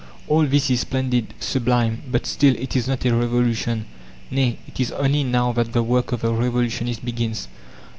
All this is splendid, sublime; but still, it is not a revolution. Nay, it is only now that the work of the revolutionist begins.